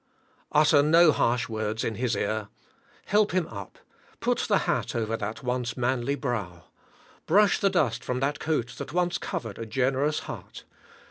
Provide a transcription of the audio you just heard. Utter no harsh words in his ear. Help him up. Put the hat over that once manly brow. Brush the dust from that coat that once covered a generous heart.